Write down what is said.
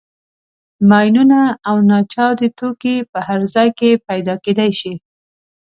ماینونه او ناچاودي توکي په هر ځای کې پیدا کېدای شي.